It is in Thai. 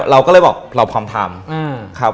เราก็เลยบอกเราพร้อมทำครับ